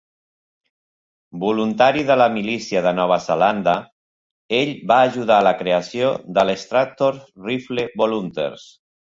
Voluntari de la milícia de Nova Zelanda, ell va ajudar a la creació dels Stratford Rifle Volunteers.